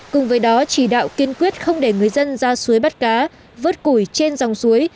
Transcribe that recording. cùng với đó chỉ đạo kiên quyết không để người dân ra suối bắt cá vớt củi trên dòng suối